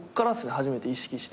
初めて意識して。